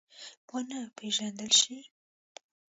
ونه پېژندل شي.